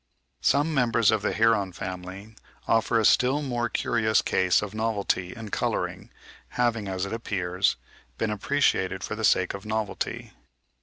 Some members of the heron family offer a still more curious case of novelty in colouring having, as it appears, been appreciated for the sake of novelty.